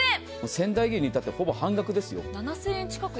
仙台牛にいたってはほぼ半額ですよ。